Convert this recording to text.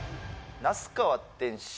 那須川天心